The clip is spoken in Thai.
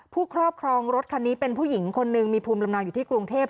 ครอบครองรถคันนี้เป็นผู้หญิงคนหนึ่งมีภูมิลำเนาอยู่ที่กรุงเทพ